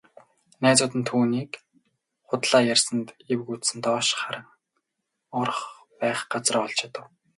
Найзууд нь түүнийг худлаа ярьсанд эвгүйцэн доош харан орох байх газраа олж ядав.